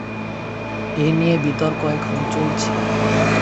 এই নিয়ে বিতর্ক এখনো চলছে।